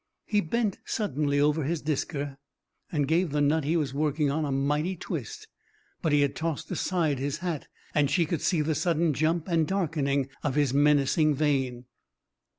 He bent suddenly over his disker and gave the nut he was working on a mighty twist, but he had tossed aside his hat, and she could see the sudden jump and darkening of his menacing vein.